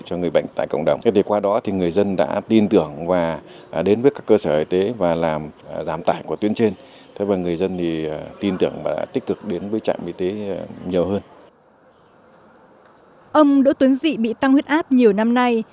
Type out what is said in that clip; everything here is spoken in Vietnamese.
ông đỗ tuấn dị bị tăng huyết áp nhiều năm nay